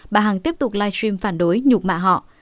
bà hằng tiếp tục livestream phản đối nhục mạ họ